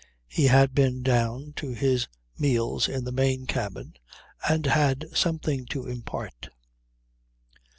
He had been down to his meals in the main cabin, and had something to impart.